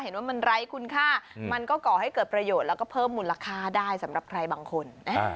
เห็นว่ามันไร้คุณค่ามันก็ก่อให้เกิดประโยชน์แล้วก็เพิ่มมูลค่าได้สำหรับใครบางคน